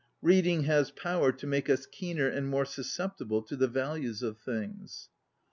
Reading has power to make us keener and more suscep tible to the values of things.